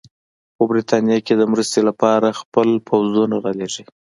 خو برټانیه که د مرستې لپاره خپل پوځونه رالېږي.